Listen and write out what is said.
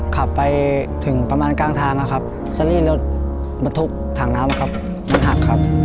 ขับไปถึงประมาณกลางทางนะครับซารี่รถบรรทุกถังน้ำครับมันหักครับ